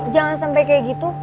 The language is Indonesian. jangan sampai kayak gitu